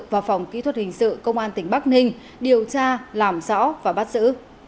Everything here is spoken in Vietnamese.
và phòng kỹ thuật hình sự công an tỉnh bắc ninh điều tra làm rõ và bắt giữ